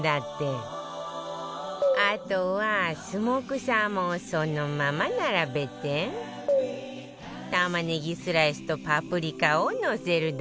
あとはスモークサーモンをそのまま並べて玉ねぎスライスとパプリカをのせるだけ